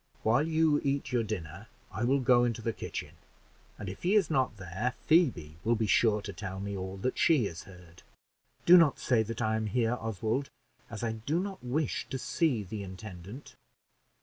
While you eat your dinner, I will go into the kitchen; and if he is not there, Phoebe will be sure to tell me all that she has heard." "Do not say that I am here, Oswald, as I do not wish to see the intendant."